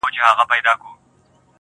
څوك به غوږ نيسي نارو ته د بې پلارو-